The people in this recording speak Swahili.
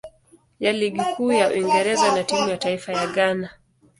ya Ligi Kuu ya Uingereza na timu ya taifa ya Ghana.